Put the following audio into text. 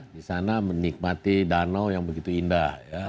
di sana menikmati danau yang begitu indah